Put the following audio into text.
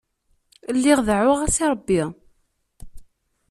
Lliɣ deɛɛuɣ-as i Ṛebbi.